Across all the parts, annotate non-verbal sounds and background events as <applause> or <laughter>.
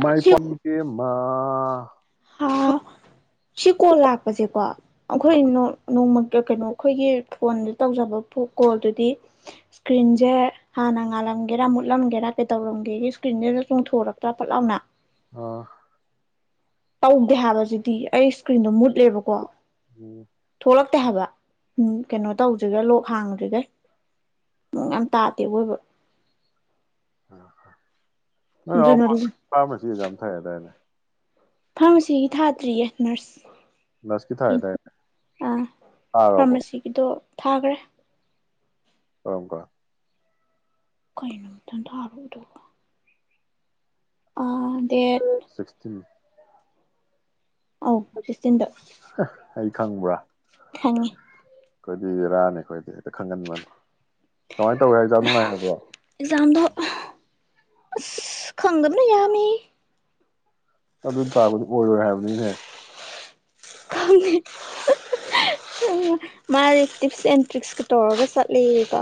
ꯃꯥꯏ ꯄꯣꯟ ꯀꯦ ꯃꯥ ꯍꯥꯥ ꯆꯤꯀꯣꯜ ꯂꯥꯛꯄꯁꯦꯀꯣ ꯑꯩꯈꯣꯏ ꯅꯣꯡꯃ ꯀꯩꯅꯣ ꯑꯩꯈꯣꯏꯒꯤ ꯐꯣꯟꯗ ꯇꯧꯖꯕ ꯀꯣꯜꯗꯨꯗꯤ ꯏꯁꯀ꯭ꯔꯤꯟꯁꯦ ꯍꯥꯟꯅ ꯉꯥꯜꯂꯝꯒꯦꯔ ꯃꯨꯠꯂꯝꯒꯦꯔꯥ ꯀꯩꯗꯧꯔꯝꯒꯦ ꯏꯁꯀ꯭ꯔꯤꯟꯗꯨꯗ ꯆꯣꯡꯊꯣꯔꯛꯇ꯭ꯔꯥ ꯄꯠ ꯂꯥꯎꯅ ꯑ ꯇꯧꯗꯦ ꯍꯥꯏꯕꯁꯤꯗꯤ ꯑꯩ ꯏꯁꯀ꯭ꯔꯤꯟꯗꯣ ꯃꯨꯠꯂꯦꯕꯀꯣ ꯑꯣ ꯊꯣꯛꯂꯛꯇꯦ ꯍꯥꯏꯕ ꯎ ꯀꯩꯅꯣ ꯇꯧꯗ꯭ꯔꯤꯒ ꯂꯣꯛ ꯍꯥꯡꯗ꯭ꯔꯤꯒꯩ ꯅ ꯌꯥꯝ ꯇꯥꯗꯦꯕꯣꯏꯕ ꯑ ꯍꯥ ꯅꯣꯢ ꯑꯗꯨꯅ ꯅꯅꯥ <inaudible> ꯐꯥꯔꯃꯥꯔꯁꯤ ꯑꯦꯛꯖꯥꯝ ꯊꯥꯢꯌꯦꯗꯦꯢꯅꯦ ꯐꯥꯔꯃꯥꯁꯤꯒꯤ ꯊꯥꯗ꯭ꯔꯤꯌꯦ ꯅꯔꯁ ꯅꯔꯁꯀꯤ ꯊꯥꯏꯌꯦꯗꯥꯢꯅꯦ ꯊꯥꯒ꯭ꯔꯕꯣ ꯊꯥꯈ꯭ꯔꯦ ꯀꯔꯝꯀꯥꯟ ꯀꯩꯅꯅꯊ ꯊꯔꯗ ꯑ ꯁꯤꯁꯇꯤꯟ ꯑꯧ ꯁꯤꯁꯇꯤꯟꯗ ꯑꯩ ꯈꯪꯕ꯭ꯔꯥ ꯈꯪꯉꯤ ꯑꯩꯈꯣꯏꯗꯤ ꯔꯥꯅꯤ ꯑꯩꯈꯣꯏꯗꯤ ꯍꯦꯛꯇ ꯈꯪꯒꯟꯕꯅꯤ ꯀꯃꯥꯏꯅ ꯇꯧꯋꯦ ꯍꯥꯏꯖꯥ ꯅꯨꯡꯉꯥꯏꯔꯕ꯭ꯔꯣ ꯑꯦꯛꯖꯥꯝꯗꯣ ꯑꯁ ꯈꯪꯗꯕꯅ ꯌꯥꯃꯦꯌꯦ ꯑꯗꯨ ꯄꯥꯕꯗꯨ ꯑꯣꯏꯔꯣꯏ ꯍꯥꯏꯕꯅꯤꯅꯦ ꯈꯪꯉꯦ ꯃꯥꯁ ꯇꯤꯞꯁ ꯑꯦꯟ ꯇ꯭ꯔꯤꯛꯁꯀ ꯇꯧꯔꯒ ꯆꯠꯂꯤꯀꯣ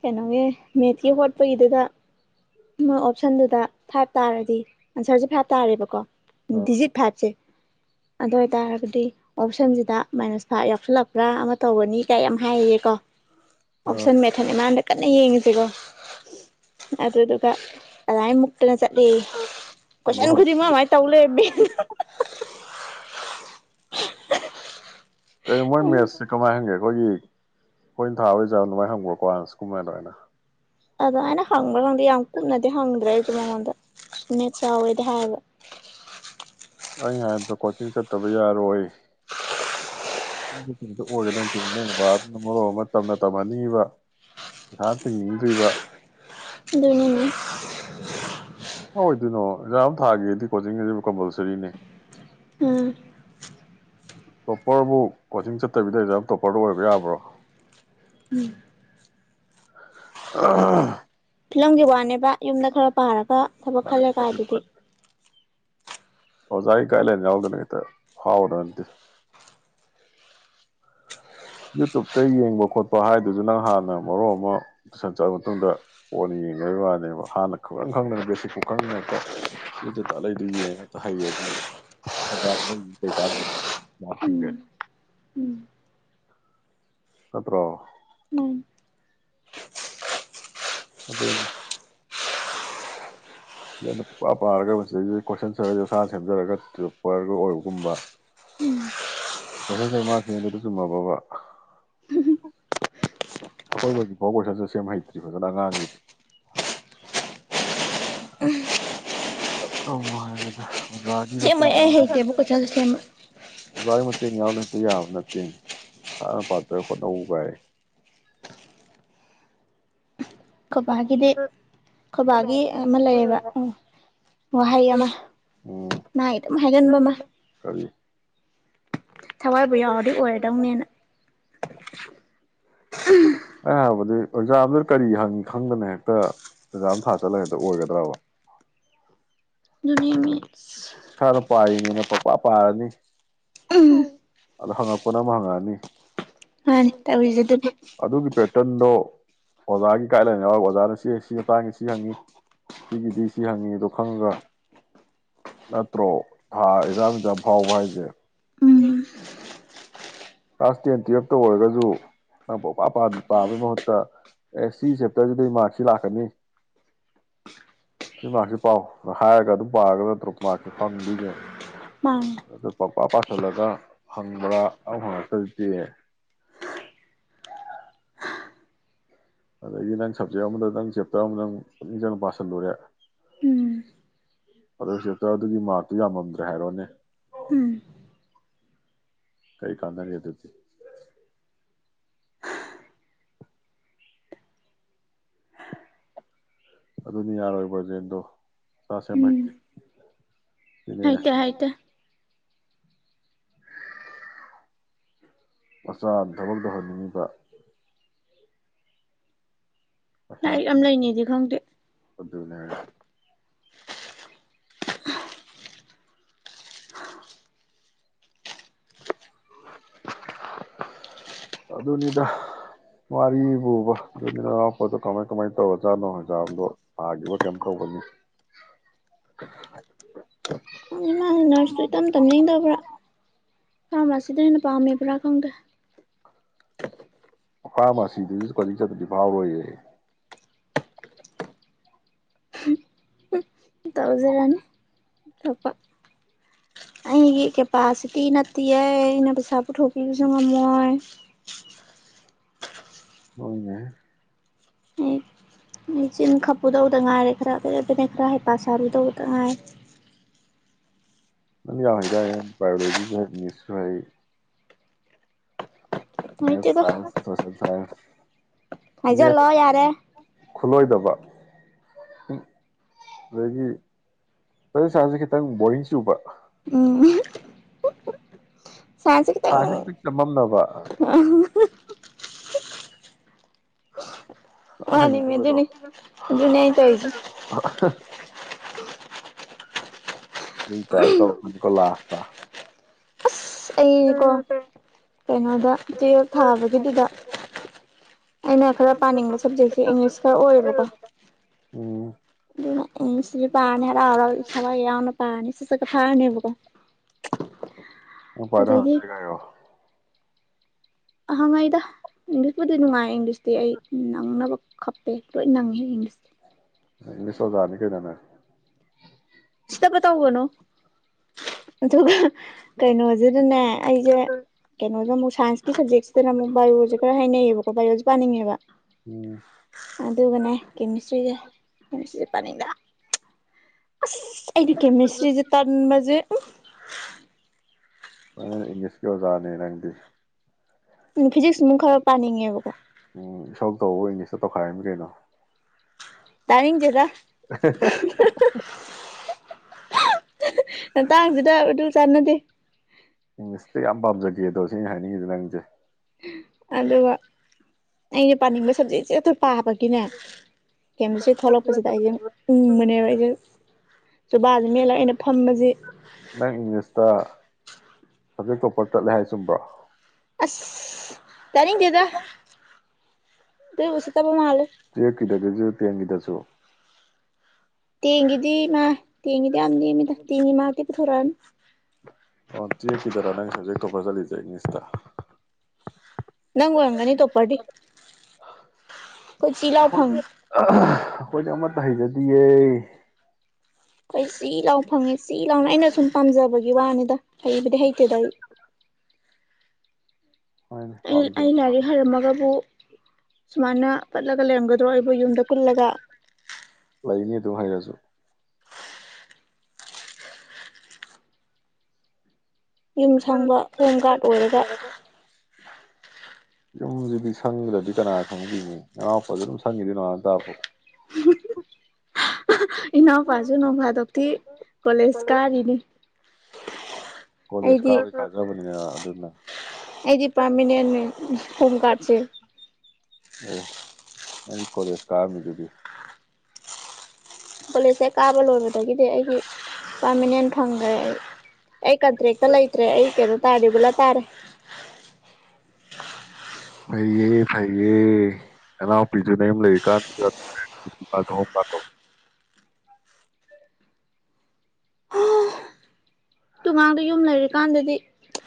ꯀꯩꯅꯣꯒꯤ ꯃꯦꯠꯀꯤ ꯍꯣꯠꯄꯒꯤꯗꯨꯗ ꯃꯣꯏ ꯑꯣꯞꯁꯟꯗꯨꯗ ꯐꯥꯏꯚ ꯇꯥꯔꯗꯤ ꯑꯟꯁꯔꯁꯦ ꯐꯥꯏꯚ ꯇꯥꯔꯦꯕꯀꯣ ꯑ ꯗꯤꯖꯤꯠ ꯐꯥꯔꯁꯦ ꯑꯗꯨ ꯑꯣꯏꯇꯥꯔꯒꯗꯤ ꯑꯣꯞꯁꯟꯁꯤꯗ ꯃꯥꯏꯅꯁ ꯐꯥꯏꯚ ꯌꯥꯎꯁꯜꯂꯛꯄ꯭ꯔꯥ ꯑꯃ ꯇꯧꯒꯅꯤ ꯀꯥꯏ ꯌꯥꯝ ꯍꯥꯏꯌꯦꯀꯣ ꯑ ꯑꯣꯞꯁꯟ ꯃꯦꯊꯠꯅꯦ ꯃꯥꯅ ꯀꯟꯅ ꯌꯦꯡꯉꯁꯤꯀꯣ ꯑꯗꯨꯗꯨ ꯑꯥꯗꯃꯥꯢ ꯇꯅ ꯆꯠꯂꯤ ꯑꯗꯣ ꯀꯣꯏꯁꯟ ꯈꯨꯗꯤꯡꯃꯛ ꯑꯗꯨꯃꯥꯏꯅ ꯇꯧ ꯂꯩ ꯀꯩ ꯃꯣꯏ ꯎꯝ ꯃꯦꯁꯁꯤ ꯀꯃꯥꯏ ꯍꯪꯒꯦ ꯑꯩꯈꯣꯏꯒꯤ ꯑꯩꯈꯣꯏꯅ ꯊꯥꯕꯣꯏ ꯆꯥꯕ ꯑꯗꯨꯃꯥꯏꯅ ꯍꯪꯈ꯭ꯔꯣꯀꯣ ꯑꯁ ꯀꯨꯝꯃꯥꯏꯅ ꯑꯗꯨꯃꯥꯏꯅ ꯑꯗꯣ ꯑꯩꯅ ꯍꯪꯕ꯭ꯔ ꯈꯪꯗꯦ ꯌꯥꯝ ꯀꯨꯞꯅꯗꯤ ꯍꯪꯗ꯭ꯔꯦ ꯑꯩꯁꯨ ꯃꯉꯣꯟꯗꯅꯦꯠ ꯆꯥꯎꯋꯦꯗꯤ ꯍꯥꯏꯕ ꯑꯩꯅ ꯍꯥꯏꯕꯗ ꯀꯣꯆꯤꯡ ꯆꯠꯇꯕ ꯌꯥꯔꯣꯏ ꯑꯣꯏꯒꯗꯅ ꯕꯥꯗꯨꯅ ꯃꯔꯣꯝ ꯑꯃ ꯇꯝꯅ ꯇꯝꯍꯟꯅꯤꯡꯉꯤꯕ ꯄꯩꯁꯥ ꯇꯤꯡꯅꯤꯡꯗ꯭ꯔꯤꯕ ꯑꯗꯨꯅꯤꯅꯦ ꯍ ꯑꯣꯏꯗꯣꯏꯅꯣ ꯑꯦꯛꯖꯥꯝ ꯊꯥꯒꯦꯗꯤ ꯀꯣꯆꯤꯡ ꯑꯁꯤꯕꯨ ꯀꯝꯄꯜꯁꯔꯤꯅꯤ ꯎꯝ ꯇꯣꯞꯄꯔꯕꯨ ꯀꯣꯆꯤꯡ ꯆꯠꯇꯕꯤꯗ ꯑꯦꯛꯖꯥꯝ ꯇꯣꯞꯄꯔꯗ ꯑꯣꯏꯕ ꯌꯥꯕ꯭ꯔꯣ ꯑꯍꯍꯍ ꯐꯤꯂꯝꯒꯤ ꯋꯥꯅꯦꯕ ꯌꯨꯝꯗ ꯈꯔ ꯄꯥꯔꯒ ꯊꯕꯛ ꯈꯜꯂꯒ ꯑꯗꯨꯗꯤ ꯑꯣꯖꯥꯒꯤ ꯒꯥꯏꯗꯂꯥꯏꯟ ꯌꯥꯎꯗꯅ ꯈꯤꯇ ꯐꯥꯎꯕꯗꯅ ꯅꯗꯤꯦ ꯌꯨꯇꯨꯟꯇ ꯌꯦꯡꯕ ꯈꯣꯠꯄ ꯍꯥꯏꯗꯨꯁꯨ ꯅꯪ ꯍꯥꯟꯅ ꯃꯔꯣꯟ ꯑꯃ ꯇꯨꯏꯁꯟ ꯆꯠꯂꯕ ꯃꯇꯨꯡꯗ ꯀꯣꯟꯅ ꯌꯦꯡꯕꯒꯤ ꯋꯥꯅꯦꯕ ꯍꯥꯟꯅ ꯁꯨꯈꯪ ꯈꯪꯗꯅ ꯕꯦꯁꯤꯛꯐꯥꯎ ꯈꯪꯗꯅ ꯌꯦꯛꯇ ꯌꯨꯇꯨꯞꯇ ꯑꯔꯩꯕꯤ ꯌꯦꯡꯑꯒ ꯍꯩ ꯑꯗꯨꯗꯤ ꯑꯣꯖ ꯂꯩꯔꯤꯁꯤ ꯀꯩ ꯀꯥꯅꯗꯨꯢꯕ ꯎꯝ ꯎꯝ ꯅꯠꯇꯔꯣ ꯃꯥꯅꯤ ꯑꯗꯨꯝ ꯌꯥꯝꯅ ꯄꯥꯔꯒ ꯃꯁꯤꯗꯩꯁꯤ ꯀꯣꯏꯁꯟ ꯁꯔꯁꯦ ꯑꯣꯁꯥꯅ ꯁꯦꯝꯖꯔꯒ ꯇꯦꯄꯔꯒ ꯑꯣꯏꯕꯒꯨꯝꯕ ꯀꯣꯏꯁꯟ ꯁꯔ ꯃꯥꯁꯤꯡ ꯑꯗꯨꯗ ꯆꯨꯝꯃꯕꯕ ꯑꯩꯈꯣꯏ ꯍꯧꯖꯤꯛꯐꯥꯎ ꯀꯣꯏꯁꯟꯁꯨꯔ ꯁꯦꯝ ꯍꯩꯇ꯭ꯔꯤ ꯐꯖꯅ ꯑꯉꯥꯡꯒꯤꯗ ꯂ ꯍꯥꯏꯕꯗ ꯑꯣꯖꯥꯒꯤ ꯁꯦꯝꯕꯩ ꯑꯩ ꯍꯩꯇꯦꯕ ꯀꯣꯏꯁꯟꯁꯦ ꯁꯦꯝꯕ ꯑꯣꯖꯥꯒꯤ ꯦꯡ ꯌꯥꯥꯎ ꯍꯦꯛꯇ ꯌꯥꯕ ꯅꯠꯇꯦꯅꯤ ꯏꯁꯥꯅ ꯄꯥꯖꯔꯒ ꯍꯣꯠꯅꯧ ꯒꯥꯢꯌꯦ ꯈꯣꯏ ꯕꯥꯒꯤꯗꯤ ꯈꯣꯏ ꯕꯥꯒꯤ ꯑꯃ ꯂꯩꯌꯦꯕ ꯎꯝ ꯋꯥꯍꯩ ꯑꯃ ꯎꯝ ꯃꯥꯒꯤ ꯑꯗꯨꯝ ꯍꯥꯏꯒꯟꯕ ꯑꯃ ꯀꯔꯤ ꯊꯋꯥꯏꯕꯨ ꯌꯥꯎꯔꯗꯤ ꯑꯣꯏꯔꯗꯧꯅꯦꯅ ꯑꯦꯛꯖꯥꯝꯗꯨ ꯀꯔꯤ ꯍꯪ ꯈꯪꯗꯅ ꯍꯦꯛꯇ ꯑꯦꯛꯖꯥꯝ ꯊꯥ ꯆꯠꯂꯒ ꯍꯦꯛꯇ ꯑꯣꯏꯒꯗ꯭ꯔꯕ ꯑꯗꯨꯗꯤ ꯃꯤ ꯏꯁꯥꯅ ꯄꯥꯏꯔꯤꯅꯦꯅ ꯄꯡꯄꯥ ꯄꯥꯔꯅꯤ ꯑꯗ ꯍꯡꯉꯛꯄꯅ ꯑꯃ ꯍꯡꯉꯛꯑꯅꯤ ꯃꯥꯅꯤ ꯇꯧꯔꯤꯁꯦ ꯑꯗꯨꯅꯦ ꯑꯗꯨꯒꯤ ꯄꯦꯇꯔꯟꯗꯣ ꯑꯣꯖꯥꯒꯤ ꯒꯥꯏꯗꯂꯥꯏꯟ ꯌꯥꯎꯔꯒ ꯑꯣꯖꯥꯅ ꯁꯤ ꯁꯤ ꯃꯇꯥꯡꯉꯦ ꯁꯤ ꯍꯪꯉꯤ ꯁꯤꯒꯤꯗꯤ ꯁꯤ ꯍꯪꯉꯤ ꯑꯗꯣ ꯈꯪꯉꯒ ꯅꯠꯇ꯭ꯔꯣ ꯊꯥ ꯑꯦꯛꯖꯥꯝ ꯑꯦꯛꯖꯥꯝ ꯐꯥꯎꯕ ꯍꯥꯏꯁꯦ ꯎꯝ ꯀ꯭ꯂꯥꯁ ꯇꯦꯟ ꯇꯨꯌꯦꯜꯞꯇ ꯑꯣꯏꯔꯒꯁꯨ ꯅꯪ ꯄꯄꯥ ꯄꯥꯕꯒꯤ ꯃꯍꯨꯠꯇ ꯑꯦ ꯁꯤ ꯆꯦꯞꯇꯔꯁꯤꯗꯩ ꯃꯥꯔꯛꯁꯤ ꯂꯥꯛꯀꯅꯤ ꯁꯤ ꯃꯥꯔꯛꯁꯤ ꯄꯥꯎ ꯍꯥꯏꯔꯒ ꯑꯗꯨꯝ ꯄꯥꯔꯒꯠꯇ꯭ꯔꯣ ꯃꯥꯔꯛꯁꯤ ꯐꯪꯗ꯭ꯣꯏꯁꯦ ꯃꯥꯅꯤ ꯑ ꯄꯄꯥ ꯄꯥꯁꯤꯜꯂꯒ ꯐꯪꯕ꯭ꯔꯥ ꯍꯪꯉ ꯍꯧꯖꯤꯛꯇꯤ ꯑꯗꯒꯤ ꯅꯪ ꯁꯞꯖꯦꯛ ꯑꯃꯗ ꯅꯪ ꯆꯦꯞꯇꯔ ꯑꯃ ꯅꯪ ꯄꯨꯛꯅꯤꯡ ꯆꯪꯅ ꯄꯥꯁꯤꯜꯂꯨꯔꯦ ꯎꯝ ꯑꯗꯨ ꯆꯦꯞꯇꯔ ꯑꯗꯨꯒꯤ ꯃꯥꯔꯛꯇꯨ ꯌꯥꯝꯃꯝꯗ꯭ꯔꯦ ꯍꯥꯏꯔꯣꯅꯦ ꯎꯝ ꯀꯩ ꯀꯥꯥꯟꯅꯒꯦ ꯑꯗꯨꯗꯤ ꯑꯗꯨꯅꯤ ꯌꯥꯔꯣꯏ ꯕꯖꯦꯟꯗꯣ ꯁꯥ ꯁꯦꯝ ꯎꯝ ꯍꯩꯇꯦ ꯑꯗꯨꯅꯦ ꯍꯩꯇꯦ ꯍꯩꯇꯦ ꯃꯆꯥꯅ ꯊꯕꯛ ꯇꯧꯍꯟꯅꯤꯡꯉꯤꯕ ꯄꯩꯁꯥ ꯂꯥꯏꯔꯤꯛ ꯑꯝ ꯂꯩꯅꯤꯗꯤ ꯈꯪꯗꯦ ꯑꯗꯨꯅꯦ ꯍꯥꯏꯁꯦ ꯑꯗꯨꯅꯤꯗ ꯋꯥꯔꯤꯕꯨꯕ ꯑꯗꯨ ꯅꯅꯥꯎꯄꯥꯗꯣ ꯀꯃꯥꯏ ꯀꯃꯥꯏꯅ ꯇꯧꯔꯖꯥꯠꯅꯣ ꯑꯦꯛꯖꯥꯝꯗꯣ ꯊꯥꯈꯤꯕ ꯀꯩꯝ ꯇꯧꯕꯅꯤ ꯅ ꯅꯔꯁꯇꯨ ꯏꯇꯝ ꯇꯝꯅꯤꯡꯗꯕ꯭ꯔꯥ ꯐꯥꯔꯃꯥꯁꯤꯗ ꯑꯣꯏꯅ ꯄꯥꯝꯃꯦ ꯍꯥꯏꯕꯔ ꯈꯪꯗꯦ ꯐꯥꯔꯃꯥꯁꯤꯗꯨꯁꯨ ꯀꯣꯆꯤꯡ ꯆꯠꯇꯔꯗꯤ ꯐꯥꯎꯔꯣꯏꯌꯦ ꯇꯧꯖꯔꯅꯤ ꯑꯩꯒꯤ ꯀꯦꯄꯥꯁꯤꯇꯤ ꯅꯠꯇꯤꯌꯦ ꯑꯩꯅ ꯄꯩꯁꯥ ꯄꯨꯊꯣꯛꯄꯤꯕꯁꯨ ꯉꯝꯃꯣꯏ ꯍꯣꯏꯅꯦ ꯑꯩ ꯆꯤꯟ ꯈꯥꯞꯄꯨꯗꯧꯗ ꯉꯥꯏꯔꯦ ꯈꯔ ꯐꯕꯅꯦ ꯈꯔ ꯍꯩꯐ ꯁꯥꯔꯨꯗꯧꯕꯗ ꯉꯥꯏꯔꯦ ꯑꯗꯨꯝ ꯌꯥꯈꯤꯗꯥꯏꯅꯦ ꯕꯥꯌꯑꯣꯂꯣꯖꯤꯁꯨ ꯍꯩ ꯃꯦꯠꯁꯁꯨ ꯍꯩ ꯃꯦꯠꯁ ꯂꯩꯇꯦꯗ ꯁꯥꯏꯟꯁ ꯁꯣꯁꯦꯜ ꯁꯥꯏꯟꯁ ꯃꯦꯠꯁ ꯍꯥꯏꯖꯜꯂꯣ ꯌꯥꯔꯦ ꯈꯨꯠꯂꯣꯏꯗꯕ ꯑꯗꯒꯤ ꯁꯣꯁꯦꯜ ꯁꯥꯏꯟꯁꯁꯨ ꯕꯣꯔꯤꯡ ꯆꯨꯕ ꯎꯝ ꯁꯥꯏꯟꯁꯁꯦ ꯈꯤꯇꯪ ꯆꯃꯝꯅꯕ ꯈꯤꯇꯪ ꯋꯥꯠꯂꯤꯃꯦ ꯀꯃꯥꯏꯅꯗꯕꯗꯣ <inaudible> ꯑꯗꯨꯅꯤ ꯑꯗꯨꯅꯦ ꯑꯩ ꯇꯧꯔꯤꯁꯦ ꯎꯝ ꯆ ꯆꯄ ꯀꯂꯦ ꯋꯥ ꯑꯁ ꯑꯩꯀꯣ ꯀꯩꯅꯣꯗ ꯇꯨꯌꯦꯜꯐ ꯊꯥꯕꯒꯤꯗꯨꯗ ꯑꯩꯅ ꯈꯔ ꯄꯥꯅꯤꯡꯕ ꯁꯕꯖꯦꯛꯁꯦ ꯏꯪꯂꯤꯁ ꯈꯔ ꯑꯣꯏꯌꯦꯕꯀꯣ ꯎꯝ ꯑꯗꯨ ꯁꯤꯔꯤ ꯄꯥꯔꯅꯦꯔꯔ ꯏ ꯌꯥꯅ ꯄꯥꯅꯤ ꯁꯤ ꯆ ꯀ ꯐꯥꯅꯦꯕꯀꯣ ꯎ ꯐꯗ ꯀꯣ ꯑꯍꯪꯉꯥꯏꯗ ꯏꯪꯂꯤꯁꯕꯨꯨꯗꯤ ꯅꯨꯡꯉꯥꯏꯌꯦ ꯏꯪꯂꯤꯁ ꯑꯩ ꯅꯪꯅꯕ ꯀꯞꯄꯦ ꯂꯣꯏ ꯅꯪꯉꯦ ꯏꯪꯂꯤꯁ ꯏꯪꯂꯤꯁꯣ ꯅꯤ ꯈꯩꯗꯅ ꯐꯠꯇꯕ ꯇꯧꯒꯅꯣ ꯑꯗꯨꯒ ꯀꯩꯅꯣ ꯑꯗꯨꯗꯅꯦ ꯑꯩꯁꯦ ꯀꯩꯅꯣꯁꯦ ꯑꯃꯨꯛ ꯁꯥꯏꯟꯁꯀꯤ ꯁꯖꯦꯛꯁꯤꯅ ꯑꯃꯨꯛ ꯕꯥꯏꯑꯣꯂꯣꯖꯤ ꯈꯔ ꯍꯥꯏꯅꯩꯌꯦꯕꯀꯣ ꯕꯥꯏꯑꯣꯣꯖꯤ ꯄꯥꯅꯤꯡꯉꯦꯕ ꯎꯝ ꯑꯗꯨꯒꯅꯦ ꯀꯦꯃꯤꯁꯇ꯭ꯔꯤꯁꯦꯦꯁꯇ꯭ꯔꯤꯁꯦ ꯄꯅꯤꯡ ꯑꯗꯨ ꯑꯒꯤ ꯀꯦꯃꯤꯁꯇ꯭ꯔꯤꯁꯦ ꯇꯟꯕꯁꯦ ꯏꯪꯂꯤꯁꯀꯤ ꯑꯣꯖꯥ ꯅꯤꯔꯪꯗꯤ ꯎ ꯐꯤꯖꯖꯤꯁ ꯃ ꯈꯔꯞ ꯄꯅꯤꯡꯉꯀ ꯇꯧ ꯏꯪꯂꯤꯁꯇ ꯇꯧꯈꯥꯏꯔꯝ ꯀꯩꯅꯣ ꯇꯅꯤꯡꯡ ꯆꯦꯗ <inaudible> ꯃꯇꯥꯡꯁꯤꯗ ꯑꯗꯨ ꯆꯟꯅꯗꯤ ꯏꯪꯂꯤꯁꯇ ꯌꯥꯝ ꯄꯥꯝꯖꯒꯦ ꯑꯗꯣ ꯁꯤ ꯑꯩꯅ ꯍꯥꯏꯅꯤꯡꯉꯤꯤꯁꯦ ꯅꯪꯁꯦ ꯑꯗꯨꯒ ꯑꯩꯅ ꯄꯥꯅꯤꯡꯕ ꯁꯕꯖꯦꯛꯁꯦ ꯑꯗꯨꯇ ꯄꯥꯕꯒꯤꯅꯦ ꯀꯩꯅꯁ ꯊꯣꯛꯂꯛꯄꯁꯤꯗ ꯑꯩꯁꯦ ꯎꯪꯕꯅꯦꯕ ꯑꯩꯁꯦ ꯨꯕꯥꯁꯤ ꯃꯦꯜꯂꯒ ꯑꯩꯅ ꯐꯝꯕꯁꯤ ꯑꯗꯇꯣꯞꯄ ꯆꯠꯂꯦ ꯍꯥꯏ ꯆꯨꯝꯕ꯭ꯔꯣ ꯑꯁ ꯇꯔꯤꯗꯦꯗ ꯇꯨꯋꯦꯞꯀꯤꯗꯗꯖꯨ ꯇꯦꯟꯒꯤꯗꯖꯨ꯫ <unintelligible> ꯇꯦꯟꯒꯤꯗꯤ ꯃꯥ ꯇꯦꯟꯒꯤꯗꯤ ꯌꯥꯝ ꯅꯦꯝꯃꯤꯗ ꯇꯦꯟꯒꯤ ꯃꯥꯛꯇꯤ ꯄꯨꯊꯣꯛꯔꯛꯑꯅꯨ꯫ ꯑꯣ ꯇꯨꯋꯦꯞꯀꯤꯗꯔꯣ ꯅꯪꯅ ꯁꯕꯖꯦꯛ ꯇꯣꯄꯔ ꯆꯠꯂꯤꯖꯦ ꯏꯪꯂꯤꯁꯇ꯫ ꯅꯪ ꯑꯣꯏꯔꯝꯒꯅꯤ ꯇꯣꯄꯔꯗꯤ ꯑꯩꯈꯣꯏ ꯆꯤ ꯂꯥꯎ ꯑꯩꯈꯣꯏꯗꯤ ꯐꯪꯉꯤ꯫ ꯑꯩꯈꯣꯏꯗꯤ ꯑꯃꯠꯇ ꯍꯩꯖꯗꯤꯌꯦ꯫ ꯑꯩ ꯆꯤ ꯂꯥꯎ ꯐꯪꯉꯦ ꯆꯤ ꯂꯥꯎꯅ ꯑꯩꯅ ꯁꯨꯝ ꯄꯥꯝꯖꯕꯒꯤ ꯋꯥꯅꯤꯗ ꯍꯩꯕꯨꯗꯤ ꯍꯩꯇꯦꯗ ꯑꯩ꯫ ꯍꯣꯏꯅꯦ ꯑꯩ ꯑꯩ ꯄꯥꯝꯖꯕ ꯂꯥꯏꯔꯤꯛ ꯍꯩꯔꯝꯃꯒꯕꯨ ꯁꯨꯃꯥꯏꯅ ꯄꯠꯂꯒ ꯂꯩꯔꯝꯒꯗ꯭ꯔꯣ ꯑꯩꯕꯨ ꯌꯨꯝꯗ ꯀꯨꯜꯂꯒ꯫ ꯂꯩꯅꯤ ꯑꯗꯨꯝ ꯍꯩꯔꯖꯨ꯫ ꯌꯨꯝ ꯁꯪꯕ ꯍꯣꯝ ꯒꯥꯠ ꯑꯣꯏꯔꯒ꯫ ꯌꯨꯝꯖꯤꯗꯤ ꯁꯪꯗ꯭ꯔꯗꯤ ꯀꯅꯥ ꯁꯪꯕꯤꯅꯤ ꯑꯅꯥꯎꯄꯥꯖꯨ ꯑꯗꯨꯝ ꯁꯪꯉꯤꯗꯨꯗꯤ ꯅꯨꯡꯉꯥꯗꯩ ꯅꯨꯃꯤꯠꯇꯥꯕꯧ꯫ ꯏꯅꯥꯎ ꯄꯥꯖꯨ ꯅꯣꯡ ꯐꯥꯗꯣꯛꯇꯤ ꯀꯣꯂꯦꯖ ꯀꯥꯔꯤꯅꯤ꯫ ꯀꯣꯂꯤꯁ ꯑꯗꯨꯖꯨ ꯑꯩꯗꯤ ꯀꯥꯕꯅꯀꯥꯖꯕꯅꯤꯗꯅ ꯑꯗꯨꯅ ꯑꯩꯗꯤ ꯄꯥꯔꯃꯤꯅꯦꯟꯅꯦ ꯍꯣꯝꯒꯥꯠꯁꯦ꯫ <unintelligible> ꯅꯪ ꯀꯂꯦꯁ ꯀꯥꯔꯝꯃꯤꯗꯨꯗꯤ ꯀꯣꯂꯦꯖ ꯍꯦꯛ ꯀꯥꯕ ꯂꯣꯏꯕꯗꯒꯤꯗꯤ ꯑꯩꯒꯤ ꯄꯥꯔꯃꯤꯅꯦꯟ ꯐꯪꯒꯔꯦ ꯑꯩ꯫ ꯑꯩꯛꯥ꯭ꯔꯦ ꯀꯂꯥꯏ꯭ꯔꯦ ꯀꯦꯔ ꯇꯥ ꯔꯤꯒꯨꯂꯔ ꯇꯥꯔꯦ꯫ ꯐꯩꯌꯦ ꯐꯩꯌꯦ ꯅꯅꯥꯎꯄꯤꯗꯨ ꯅꯌꯨꯝꯗ ꯂꯩꯔꯤꯀꯥꯟꯗꯨꯗ <unintelligible> ꯄꯥꯊꯣꯛꯑꯣ ꯄꯥꯊꯣꯛꯑꯣ꯫ ꯗꯨꯉꯥꯡꯗꯣ ꯌꯨꯝ ꯂꯩꯔꯤꯀꯥꯟꯗꯗꯤ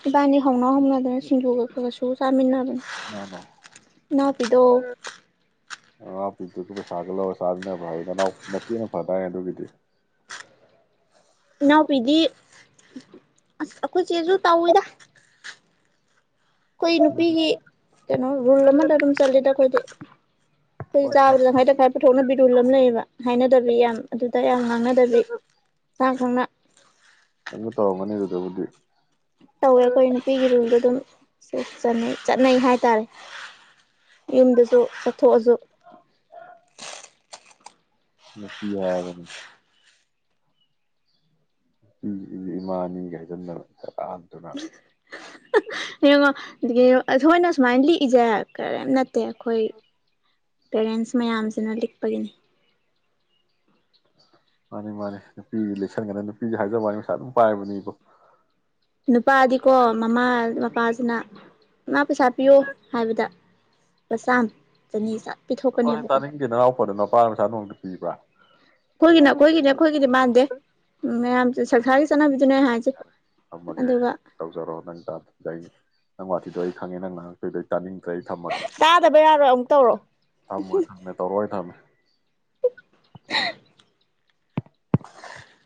ꯏꯕꯥꯏꯅꯤ ꯍꯧꯅ ꯍꯧꯅꯗꯅ ꯁꯤꯡꯖꯨꯒ ꯈꯔ ꯈꯔ ꯁꯨꯔ ꯆꯥꯃꯤꯟꯅꯕꯅꯤ꯫ ꯀꯅꯥꯅꯣ ꯏꯅꯥꯎꯄꯤꯗꯣ꯫ ꯑꯉꯥꯄꯤꯛꯇꯔꯨꯗꯨ ꯄꯩꯁꯥꯒ ꯂꯧꯔꯒ ꯆꯥꯃꯤꯟꯅꯕꯔꯣ ꯍꯥꯏꯖꯦ ꯅꯅꯥꯎ ꯃꯆꯦꯅ ꯐꯗꯥꯏꯅꯦ ꯑꯗꯨꯒꯤꯗꯤ꯫ ꯏꯅꯥꯎꯄꯤꯗꯤ ꯑꯁ ꯑꯩꯈꯣꯏ ꯆꯦꯖꯨ ꯇꯧꯋꯤꯗ꯫ ꯑꯩꯈꯣꯏ ꯅꯨꯄꯤꯒꯤ ꯀꯩꯅꯣ ꯔꯨꯜ ꯑꯃꯗ ꯑꯗꯨꯝ ꯆꯠꯂꯤꯗ ꯑꯩꯈꯣꯏꯗꯤ ꯑꯩꯈꯣꯏ ꯍꯣꯏ ꯆꯥꯕꯗ ꯇꯪꯈꯥꯏ ꯇꯪꯈꯥꯏ ꯄꯨꯊꯣꯛꯅꯕꯤ ꯔꯨꯜ ꯑꯃ ꯂꯩꯌꯦꯕ ꯍꯥꯏꯅꯗꯕꯤ ꯌꯥꯝ꯫ ꯑꯗꯨꯗ ꯌꯥꯝ ꯉꯥꯡꯅꯗꯕꯤ ꯃꯁꯥꯈꯪꯅ꯫ ꯅꯪꯖꯨ ꯇꯧꯔꯝꯃꯅꯤ ꯑꯗꯨꯗꯕꯨꯗꯤ꯫ ꯇꯧꯋꯦ ꯑꯩꯈꯣꯏ ꯅꯨꯄꯤꯒꯤ ꯔꯨꯜꯗꯣ ꯑꯗꯨꯝ꯫ ꯆꯟꯅꯩ ꯆꯠꯅꯩ ꯍꯥꯏꯇꯥꯔꯦ ꯌꯨꯝꯗꯖꯨ ꯆꯠꯊꯣꯛꯑꯖꯨ꯫ ꯂꯄꯤ ꯌꯥꯕꯅꯤ ꯅꯨꯄꯤꯖꯤꯗꯤ ꯏꯃꯥꯅꯤꯒ ꯍꯥꯏꯖꯟꯗꯅ ꯁꯦꯔꯥꯟ ꯇꯨꯔꯥꯟ꯫ ꯌꯦꯡꯉꯣ ꯑꯩꯈꯣꯏꯅ ꯁꯨꯃꯥꯏꯅ ꯂꯤꯛꯏꯁꯦ ꯀꯔꯤꯝ ꯅꯠꯇꯦ ꯑꯩꯈꯣꯏ ꯄꯦꯔꯦꯟꯁ ꯃꯌꯥꯝꯖꯤꯅ ꯂꯤꯛꯄꯒꯤꯅꯤ꯫ ꯃꯥꯅꯤ ꯃꯥꯅꯤ ꯅꯨꯄꯤꯖꯤꯗꯤ ꯂꯤꯛꯁꯟꯒꯗꯕꯅꯤ ꯅꯨꯄꯤꯖꯤ ꯍꯥꯏꯖꯕꯩ ꯋꯥꯅꯤ ꯄꯩꯁꯥ ꯑꯗꯨꯝ ꯄꯥꯏꯕꯅꯦꯕꯣ꯫ ꯅꯨꯄꯥꯗꯤꯀꯣ ꯃꯃꯥ ꯃꯄꯥ ꯅ ꯃ ꯄꯩꯁꯥ ꯄꯤꯌꯣ ꯍꯥꯏꯕꯗ ꯄꯥ ꯆꯥꯝ ꯆꯅꯤ ꯁꯠ ꯇꯥꯅꯤꯡꯗꯦ ꯅꯅꯥꯎꯄꯥꯗꯣ ꯅꯄꯥꯅ ꯄꯩꯁꯥ ꯅꯣꯡꯃꯇ ꯄꯤꯕ꯭ꯔꯥ ꯑꯩꯈꯣꯏꯒꯤꯅꯦ ꯑꯩꯈꯣꯏꯒꯤꯅꯦ ꯑꯩꯈꯣꯏꯒꯤꯗꯤ ꯃꯥꯟꯗꯦ ꯎ ꯃꯌꯥꯝ ꯁꯪꯔꯤꯁ ꯆꯅꯕꯤꯗꯨꯅꯦ ꯍꯥꯏꯖꯦ ꯊꯝꯃꯒꯦ ꯇꯧꯖꯔꯣ ꯅꯪ ꯅꯪ ꯋꯥꯊꯤꯗꯣ ꯑꯩ ꯈꯉꯦ ꯅꯪꯅ ꯉꯥꯡꯉꯛꯇꯣꯢꯗꯣ ꯇꯥꯅꯤꯡ ꯑꯗꯨ ꯑꯩ ꯊꯝꯃꯒꯦ ꯇꯥꯗꯕ ꯌꯥꯔꯣꯏ ꯑꯃꯨꯛ ꯇꯧꯔꯛꯑꯣ ꯊꯝꯃꯣꯏ ꯊꯝꯃꯦ ꯇꯧꯔꯛꯑꯣꯏ ꯊꯝꯃꯦ ꯍ